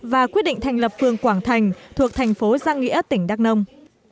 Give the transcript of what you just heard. và quyết định thành lập phường quảng thành thuộc thành phố giang nghĩa tỉnh đắk nông